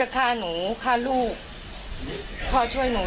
ฆ่าหนูกับลูกอะไรอย่างนี้